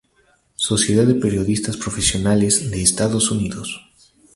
Sociedad de Periodistas Profesionales de Estados Unidos.